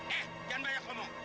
eh jangan banyak ngomong